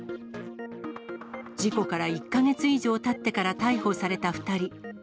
事故から１か月以上たってから逮捕された２人。